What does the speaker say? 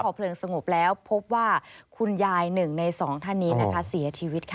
พอเพลิงสงบแล้วพบว่าคุณยายหนึ่งในสองท่านนี้นะคะเสียชีวิตค่ะ